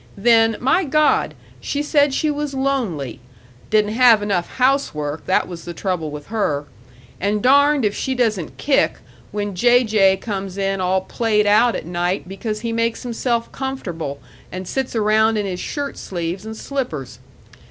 Then, my God! she said she was lonely! Didn't have enough housework, that was the trouble with her; and darned if she doesn't kick when J. J. comes in all played out at night because he makes himself comfortable and sits around in his shirt sleeves and slippers.